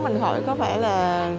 mình hỏi có phải là